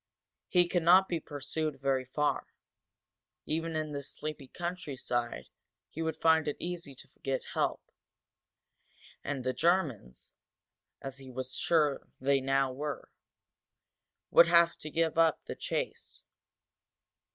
He could not be pursued very far. Even in this sleepy countryside he would find it easy to get help, and the Germans, as he was now sure they were, would have to give up the chase.